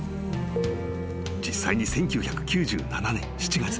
［実際に１９９７年７月。